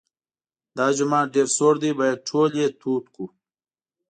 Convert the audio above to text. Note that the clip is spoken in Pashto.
دا جومات ډېر سوړ دی باید ټول یې تود کړو.